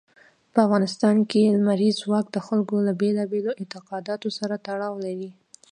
په افغانستان کې لمریز ځواک د خلکو له بېلابېلو اعتقاداتو سره تړاو لري.